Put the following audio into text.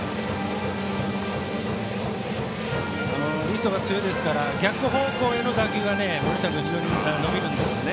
リストが強いですから逆方向への打球が森下君、非常に伸びるんですよね。